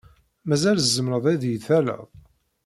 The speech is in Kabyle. Mazal tzemred ad iyi-talled?